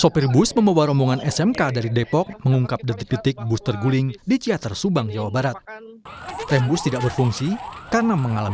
pihak yayasan smk lingga kencana depok jawa barat sabtu malam